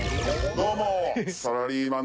どうも！